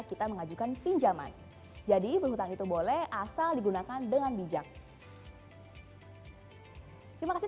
kita mengajukan pinjaman jadi berhutang itu boleh asal digunakan dengan bijak terima kasih